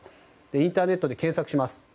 インターネットで検索します。